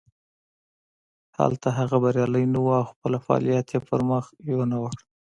هلته هغه بریالی نه و او خپل فعالیت یې پرمخ یو نه شو.